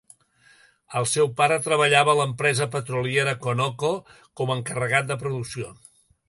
El seu pare treballava a l'empresa petroliera Conoco com a encarregat de producció.